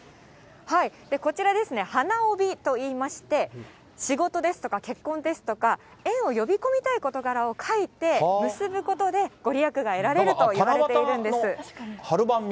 こちらですね、花帯といいまして、仕事ですとか、結婚ですとか、縁を呼び込みたい事柄を書いて、結ぶことで、ご利益が得られるといわれているんです。